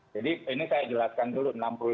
jadi ini saya jelaskan dulu